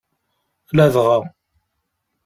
Ladɣa.